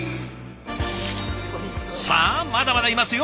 さあまだまだいますよ